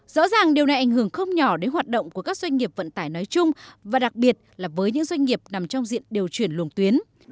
rõ ràng điều này ảnh hưởng không nhỏ đến hoạt động của các doanh nghiệp vận tải nói chung và đặc biệt là với những doanh nghiệp nằm trong diện điều chuyển luồng tuyến